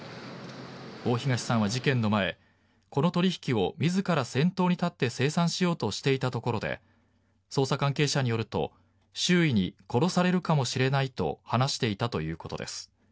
大東さんは事件の前この取引を自ら先頭に立って清算しようとしていたところで捜査関係者によると周囲に殺されるかもしれないと話していたということです。